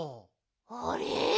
あれ？